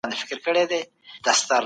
د خوړو مسمومیت په اړه کتابونه ولولئ.